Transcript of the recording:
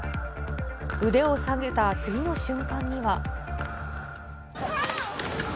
腕を下げた次の瞬間には。